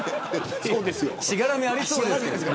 しがらみありそうですよ。